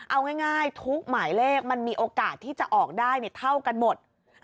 เอาง่ายทุกหมายเลขมันมีโอกาสที่จะออกได้เท่ากันหมด